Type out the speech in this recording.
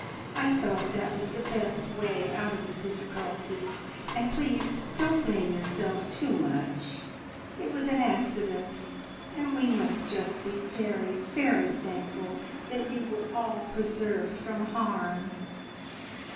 I thought that was the best way out of the difficulty; and please don't blame yourself too much. It was an accident, and we must just be very, very thankful that you were all preserved from harm."